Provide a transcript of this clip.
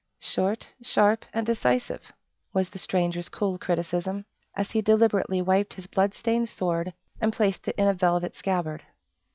"Short, sharp, and decisive!" was the stranger's cool criticism, as he deliberately wiped his blood stained sword, and placed it in a velvet scabbard.